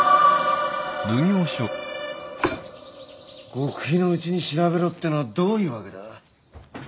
極秘のうちに調べろってのはどういうわけだ？